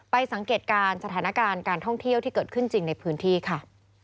สังเกตการณ์สถานการณ์การท่องเที่ยวที่เกิดขึ้นจริงในพื้นที่ค่ะ